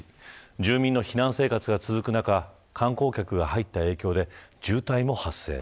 住民の避難生活が続く中観光客が入った影響で渋滞も発生。